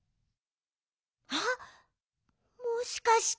あっもしかして。